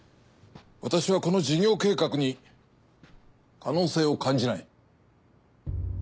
私はこの事業計画に可能性を感じない。